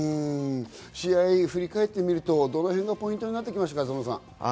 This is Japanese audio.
試合を振り返ってみると、どの辺がポイントになってきましたか？